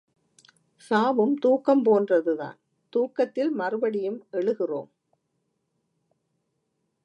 சாவும் தூக்கம் போன்றதுதான் தூக்கத்தில் மறுபடியும் எழுகிறோம்.